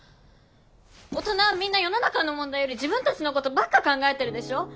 大人はみんな世の中の問題より自分たちのことばっか考えてるでしょ！